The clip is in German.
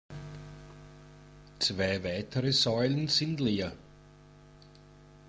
Zwei weitere Säulen sind leer.